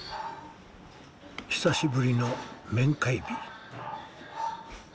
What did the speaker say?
久しぶりの面会日。